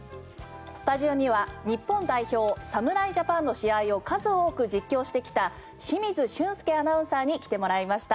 スタジオには日本代表侍ジャパンの試合を数多く実況してきた清水俊輔アナウンサーに来てもらいました。